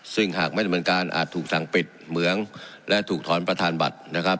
ซึ่งหากไม่ดำเนินการอาจถูกสั่งปิดเหมืองและถูกถอนประธานบัตรนะครับ